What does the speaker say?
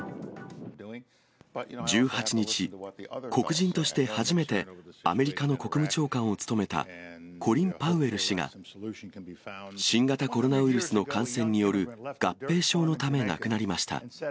１８日、黒人として初めて、アメリカの国務長官を務めたコリン・パウエル氏が、新型コロナウイルスの感染による合併症のため、亡くなりました。